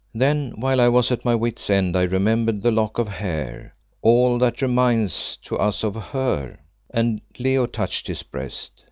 "Then while I was at my wits' end I remembered the lock of hair all that remains to us of her," and Leo touched his breast.